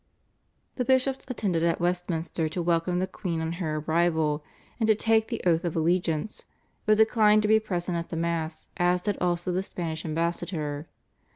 The bishops attended at Westminster to welcome the queen on her arrival and to take the oath of allegiance, but declined to be present at the Mass, as did also the Spanish ambassador.